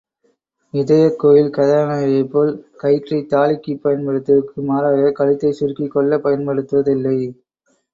இதயக்கோயில் கதாநாயகியைப் போல் கயிற்றைத் தாலிக்குப் பயன்படுத்துவதற்கு மாறாகக் கழுத்தைச் சுருக்கிக் கொள்ளப் பயன்படுத்துவதில்லை.